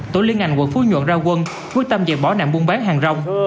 tổ liên ảnh quận phú nhuận ra quân quyết tâm giải bỏ nạn buôn bán hàng rong